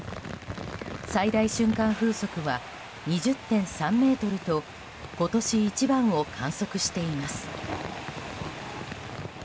最大瞬間風速は２０．３メートルと今年一番を観測しています。